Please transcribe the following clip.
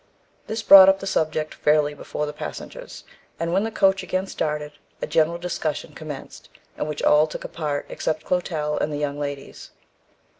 This brought up the subject fairly before the passengers, and when the coach again started a general discussion commenced, in which all took a part except Clotel and the young ladies.